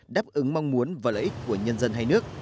đáp ứng mong muốn và lợi ích của nhân dân hai nước